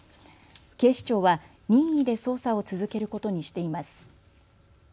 警視庁は任意で捜査を続けることにしています。